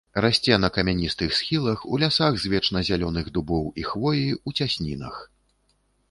Расце на камяністых схілах, у лясах з вечназялёных дубоў і хвоі, у цяснінах.